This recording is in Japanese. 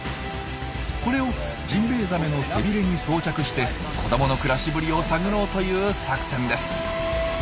これをジンベエザメの背ビレに装着して子どもの暮らしぶりを探ろうという作戦です。